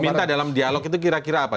diminta dalam dialog itu kira kira apa